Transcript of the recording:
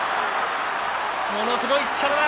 ものすごい力だ。